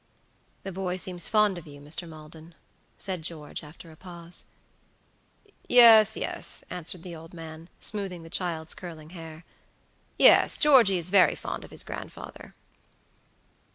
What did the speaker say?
"The boy seems fond of you, Mr. Maldon," said George, after a pause. "Yes, yes," answered the old man, smoothing the child's curling hair; "yes. Georgey is very fond of his grandfather."